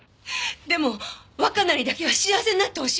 でも若菜にだけは幸せになってほしいんです。